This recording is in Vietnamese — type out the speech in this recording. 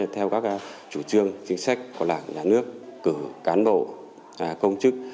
theo các chủ trương chính sách của đảng nhà nước cử cán bộ công chức